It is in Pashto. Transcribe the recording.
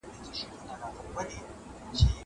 تاسي ولي په دغه کوڅې کي اوسیږئ؟